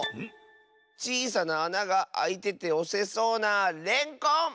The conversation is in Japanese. ちいさなあながあいてておせそうなレンコン！